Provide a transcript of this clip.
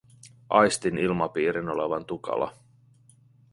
Aistin ilmapiirin olevan tukala.